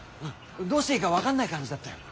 どうしていいか分かんない感じだったよ。